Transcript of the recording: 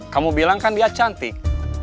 kamu bilang kan dia cantik